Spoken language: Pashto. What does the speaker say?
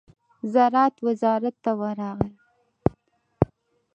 زراعت وزارت ته ورغی.